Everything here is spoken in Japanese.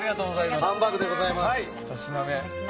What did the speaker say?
ハンバーグでございます。